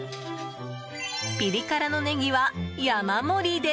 ピリ辛のネギは山盛りで。